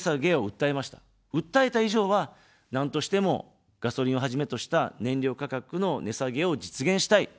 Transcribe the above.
訴えた以上は、なんとしても、ガソリンをはじめとした燃料価格の値下げを実現したい。